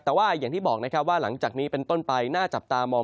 แต่ว่าอย่างที่บอกนะครับว่าหลังจากนี้เป็นต้นไปน่าจับตามอง